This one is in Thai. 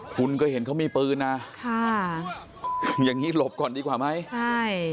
คุณก็เห็นเขามีปืนนะค่ะอย่างงี้หลบก่อนดีกว่าไหมใช่